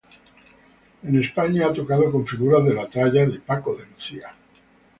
En España ha tocado con figuras de la talla de Paco de Lucía.